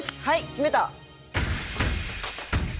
決めた！